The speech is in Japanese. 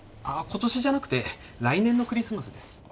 あっ今年じゃなくて来年のクリスマスです。